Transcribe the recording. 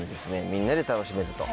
みんなで楽しめると。